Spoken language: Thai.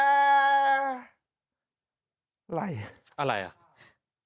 อะไรเหรออะไรเหรอ